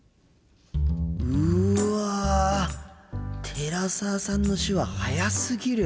寺澤さんの手話速すぎる。